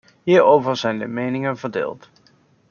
Hierover zijn de meningen verdeeld.